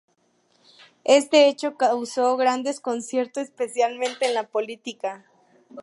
Este hecho causó gran desconcierto, especialmente en la política.